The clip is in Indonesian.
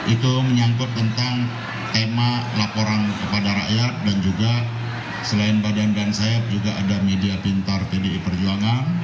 itu menyangkut tentang tema laporan kepada rakyat dan juga selain badan saya juga ada media pintar pdi perjuangan